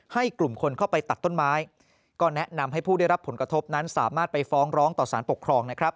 กลุ่มคนเข้าไปตัดต้นไม้ก็แนะนำให้ผู้ได้รับผลกระทบนั้นสามารถไปฟ้องร้องต่อสารปกครองนะครับ